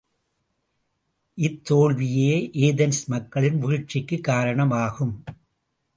இத்தோல்வியே Athens மக்களின் வீழ்ச்சிக்குக் காரணமாகும்.